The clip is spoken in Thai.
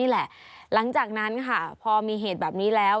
หลังจากนั้นค่ะพอมีเหตุแบบนี้แล้ว